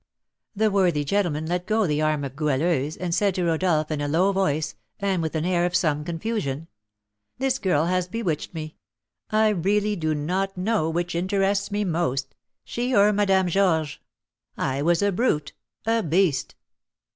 The worthy gentleman let go the arm of Goualeuse, and said to Rodolph in a low voice, and with an air of some confusion: "This girl has bewitched me; I really do not know which interests me most, she or Madame Georges. I was a brute a beast!"